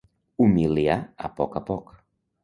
Humiliar a poc a poc.